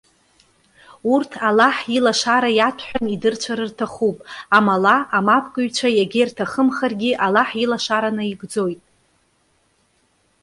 Урҭ, Аллаҳ илашара иаҭәҳәаны идырцәар рҭахуп. Амала, амапкыҩцәа иагьа ирҭахымхаргьы, Аллаҳ илашара наигӡоит!